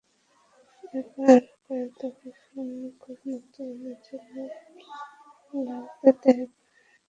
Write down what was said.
এরপর আরও কয়েক দফা ফোন করে মুক্তিপণের জন্য তাগাদা দেয় পাচারকারীরা।